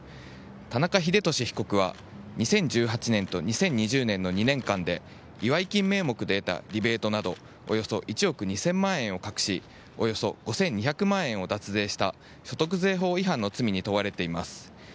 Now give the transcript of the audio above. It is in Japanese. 田中英寿被告は２０１８年と２０２０年の２年間で祝い金名目で得たリベートなどおよそ１億２０００万円を隠しおよそ５２００万円を脱税した、所得税法違反の罪に問われています。